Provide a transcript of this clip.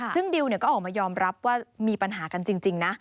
ซึ่งดิวก็ออกมายอมรับว่ามีปัญหากันจริงนะ